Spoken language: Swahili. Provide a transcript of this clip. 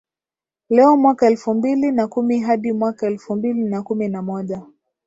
leoMwaka elfu mbili na kumi hadi mwaka elfu mbili na kumi na moja